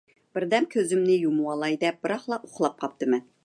بىردەم كۆزۈمنى يۇمۇۋالاي دەپ، بىراقلا ئۇخلاپ قاپتىمەن.